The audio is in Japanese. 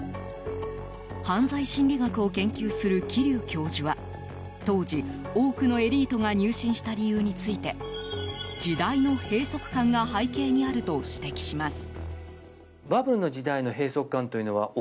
犯罪心理学を研究する桐生教授は当時、多くのエリートが入信した理由について時代の閉塞感が背景にあると指摘します。